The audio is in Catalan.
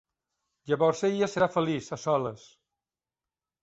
Llavors ella serà feliç a soles.